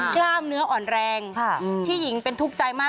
กล้ามเนื้ออ่อนแรงที่หญิงเป็นทุกข์ใจมาก